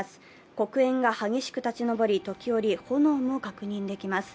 黒煙が激しく立ち上り時折、炎も確認できます。